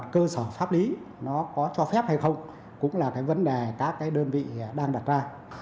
có cho phép hay không cũng là vấn đề các đơn vị đang đặt ra